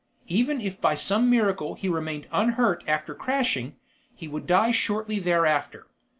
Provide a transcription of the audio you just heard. Even if by some miracle he remained unhurt after crashing, he would die shortly thereafter.